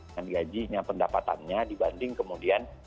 dan gajinya pendapatannya dibanding kemudian